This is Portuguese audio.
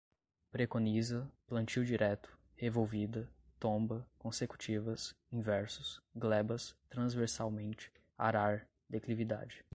preconiza, plantio direto, revolvida, tomba, consecutivas, inversos, glebas, transversalmente, arar, declividade